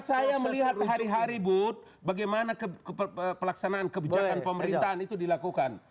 karena saya melihat hari hari bud bagaimana pelaksanaan kebijakan pemerintahan itu dilakukan